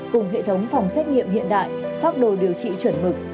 cùng hệ thống phòng xét nghiệm hiện đại pháp đồ điều trị chuẩn mực